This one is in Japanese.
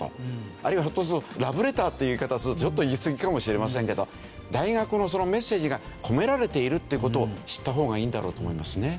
あるいはひょっとするとラブレターっていう言い方をするとちょっと言いすぎかもしれませんけど大学のメッセージが込められているっていう事を知った方がいいんだろうと思いますね。